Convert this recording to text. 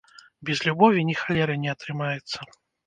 Без любові ні халеры не атрымаецца!